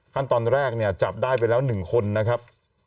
ขั้นตอนแรกเนี่ยจับได้ไปแล้ว๑คนนะครับ